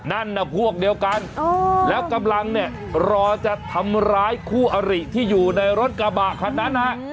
นั่นน่ะพวกเดียวกันแล้วกำลังเนี่ยรอจะทำร้ายคู่อริที่อยู่ในรถกระบะคันนั้นฮะ